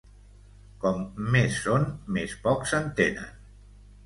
Com més són, més poc s'entenen.